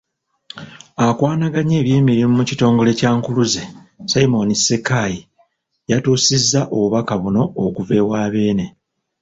Akwanaganya eby'emirimu mu kitongole kya Nkuluze, Simon Ssenkaayi y'atuusizza obubaka buno okuva ewa Beene.